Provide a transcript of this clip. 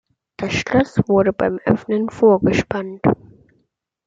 Das Schloss wurde beim Öffnen vorgespannt.